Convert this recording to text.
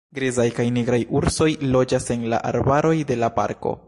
Grizaj kaj nigraj ursoj loĝas en la arbaroj de la parko.